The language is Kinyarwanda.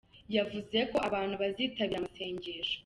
Yavuze ko abantu bazitabira amasengesho